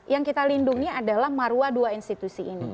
yang kita lindungi adalah maruah dua institusi ini